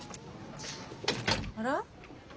あら？